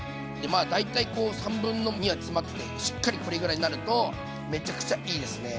まあ大体こう2/3は詰まっててしっかりこれぐらいになるとめちゃくちゃいいですね。